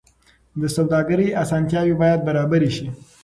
د سوداګرۍ اسانتیاوې باید برابرې شي.